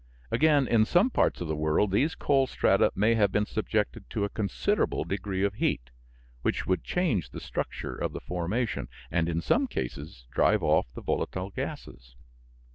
Again, in some parts of the world these coal strata may have been subjected to a considerable degree of heat, which would change the structure of the formation, and in some cases drive off the volatile gases.